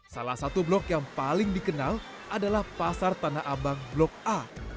salah satu blok yang paling dikenal adalah pasar tanah abang blok a